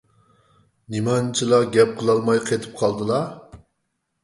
نېمانچىلا گەپ قىلالماي قېتىپ قالدىلا؟